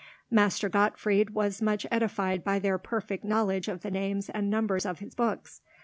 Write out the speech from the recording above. Master Gottfried was much edified by their perfect knowledge of the names and numbers of his books.